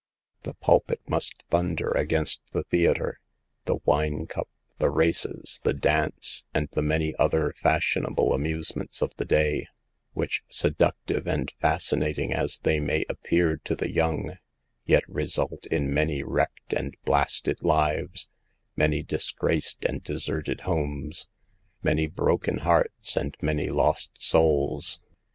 The pulpit must thunder against the theater, the wine cup, the races, the dance, and the many other fashionable amusements of the day, which, seductive and fascinating as they may appear to the young, yet result in many wrecked and blasted lives, many disgraced and deserted 238 SAVE THE GIRLS. homes, many broken hearts, and many lost souls.